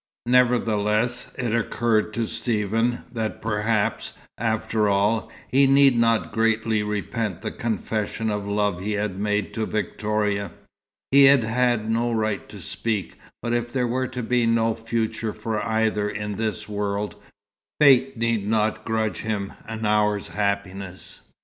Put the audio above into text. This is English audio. Nevertheless, it occurred to Stephen that perhaps, after all, he need not greatly repent the confession of love he had made to Victoria. He had had no right to speak, but if there were to be no future for either in this world, fate need not grudge him an hour's happiness.